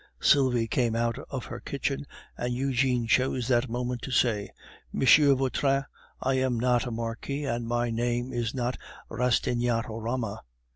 Sylvie came out of her kitchen, and Eugene chose that moment to say: "Monsieur Vautrin, I am not a marquis, and my name is not Rastignacorama."